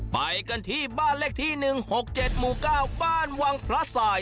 ไปกันที่บ้านเลขที่๑๖๗หมู่๙บ้านวังพระสาย